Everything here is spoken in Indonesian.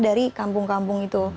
dari kampung kampung itu